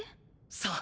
そう。